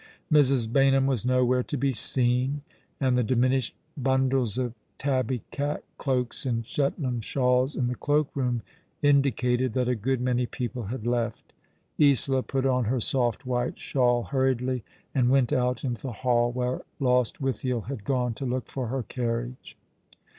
Mrs. Baynham was nowhere to be seen, and the diminished bundles of tabby cat cloaks and Shetland shawls in the cloak room indicated that a good many people had left. Isola put on her soft white shawl hurriedly, and went out into the hall, w^here Lostvrithiel had gone to look for her carriage.